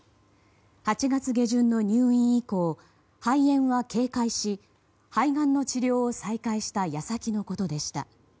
８月下旬の入院以降肺炎は軽快し肺がんの治療を再開した矢先のことでした。